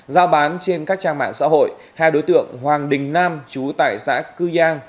giao bán trên các trang mạng xã hội hai đối tượng hoàng đình nam chú tại xã cư giang